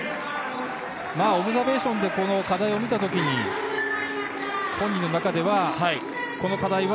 オブザベーションで課題を見たときに本人の中では、この課題は